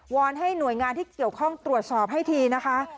อนให้หน่วยงานที่เกี่ยวข้องตรวจสอบให้ทีนะคะ